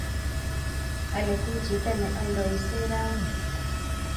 Aleku chito ne aldoisie rauni